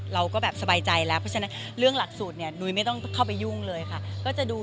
เราก็แบบสบายใจแล้วเพราะฉะนั้น